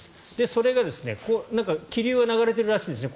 それが気流が流れてるらしいですね